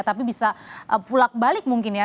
tapi bisa pulak balik mungkin ya